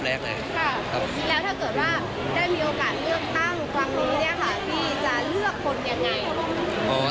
แล้วถ้าเกิดว่าได้มีโอกาสเลือกตั้งครั้งนี้เนี่ยค่ะพี่จะเลือกคนยังไง